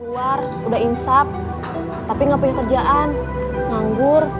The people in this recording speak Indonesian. keluar udah insap tapi gak punya kerjaan nganggur